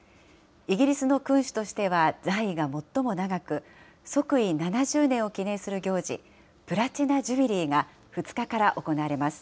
イギリスの君主としては在位が最も長く、即位７０年を記念する行事、プラチナ・ジュビリーが２日から行われます。